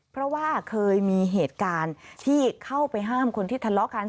เพราะว่าเคยมีเหตุการณ์ที่เข้าไปห้ามคนที่ทะเลาะกัน